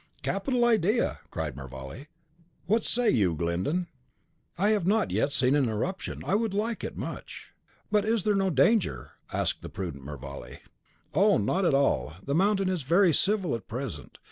"A capital idea!" cried Mervale. "What say you, Glyndon?" "I have not yet seen an eruption; I should like it much." "But is there no danger?" asked the prudent Mervale. "Oh, not at all; the mountain is very civil at present.